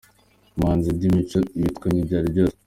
Umuhanzi Eddie Mico ibitwenge byari byose.